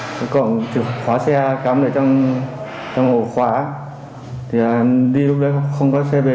trừ khóa xe cắm để trong hồ khóa thì em đi lúc đấy không có xe về